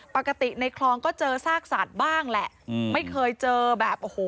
ปกติในคลองก็เจอซากสัตว์บ้างแหละอืมไม่เคยเจอแบบโอ้โห